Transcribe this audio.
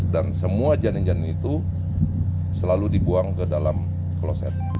dan semua janin janin itu selalu dibuang ke dalam kloset